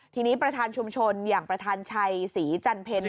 ทีนี้ประธานชุมชนอย่างประธานชัยศรีจันเพ็ญ